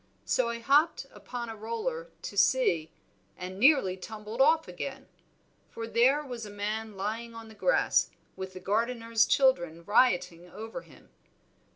So I hopped upon a roller to see, and nearly tumbled off again; for there was a man lying on the grass, with the gardener's children rioting over him.